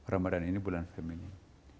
ramadhan ini bulan feminin